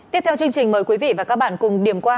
tiếp theo chương trình mời quý vị và các bạn cùng điểm qua